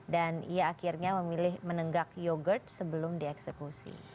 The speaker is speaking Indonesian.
dan ia akhirnya memilih menenggak yogurt sebelum dieksekusi